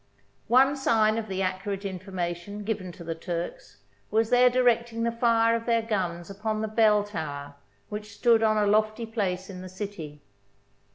One sign of the accurate information given to the Turks was their directing the fire of their guns upon the bell tower which stood on a lofty place in the city.